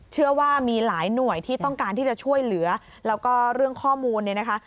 เชื่อว่ามีหลายหน่วยที่ต้องการที่จะช่วยเหลือแล้วก็เรื่องข้อมูลเนี่ยนะคะ